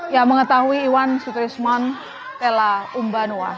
yang mengetahui iwan sutrisman tela umbanua